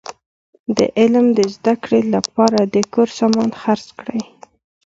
د علم د زده کړي له پاره د کور سامان خرڅ کړئ!